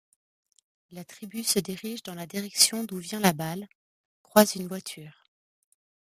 La tribu se dirige dans la direction d'où vient la balle, croise une voiture.